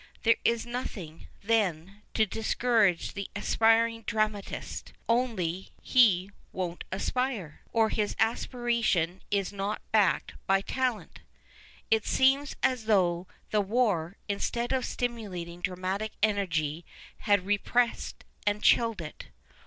There is nothing, then, to discourage the aspiring dramatist. Only he won't aspire ! Or his aspiration is not backed by talent ! It seems as though the war, instead of stimulating dramatic energy, had repressed and chilled it.